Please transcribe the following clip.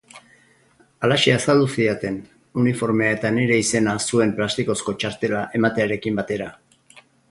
Halaxe azaldu zidaten, uniformea eta nire izena zuen plastikozko txartela ematearekin batera.